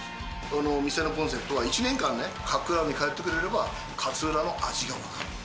店のコンセプトがね、１年間勝喰に通ってもらえれば、勝浦の味がわかる。